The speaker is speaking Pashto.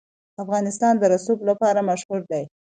افغانستان د رسوب لپاره مشهور دی.